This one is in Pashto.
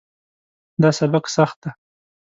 دا سبق سخت ده